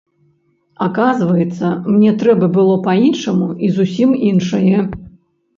Аказваецца, мне трэба было па-іншаму і зусім іншае.